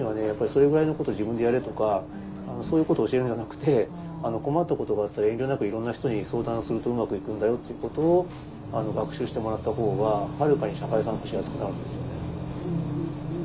やっぱり「それぐらいのこと自分でやれ」とかそういうことを教えるんじゃなくて「困ったことがあったら遠慮なくいろんな人に相談するとうまくいくんだよ」っていうことを学習してもらった方がはるかに社会参加しやすくなるんですよね。